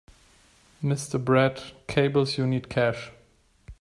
Mr. Brad cables you need cash.